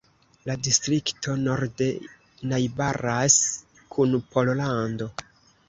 La distrikto norde najbaras kun Pollando.